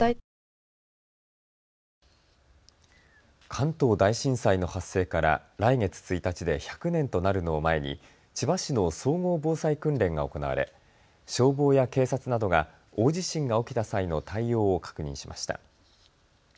関東大震災の発生から来月１日で１００年となるのを前に千葉市の総合防災訓練が行われ消防や警察などが大地震が起きた際の対応を確認しました。